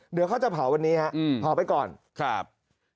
เดี๋ยวเขาจะเผาวันนี้ครับเผาไปก่อนครับ